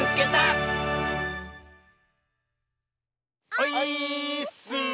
オイーッス！